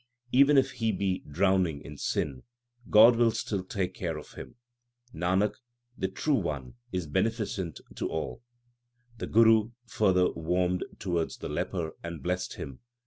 ^Even if he be drowning in sin, God will still take care of him. ^Nanak, the True One is beneficent to all. 1 The Guru further warmed towards the leper and blessed him.